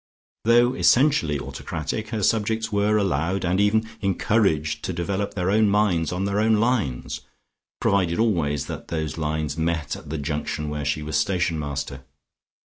Though essentially autocratic, her subjects were allowed and even encouraged to develop their own minds on their own lines, provided always that those lines met at the junction where she was station master.